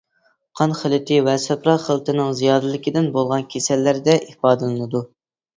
قان خىلىتى ۋە سەپرا خىلىتىنىڭ زىيادىلىكىدىن بولغان كېسەللەردە ئىپادىلىنىدۇ.